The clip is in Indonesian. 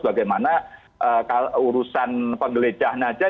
bagaimana urusan penggelejahan saja